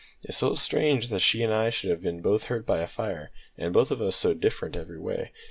It's so strange that she and I should have been both hurt by a fire, an' both of us so different every way.